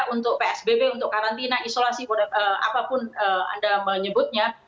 untuk psbb untuk karantina isolasi apapun anda menyebutnya